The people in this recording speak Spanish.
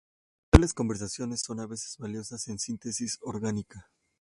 Tales conversiones son a veces valiosas en síntesis orgánica.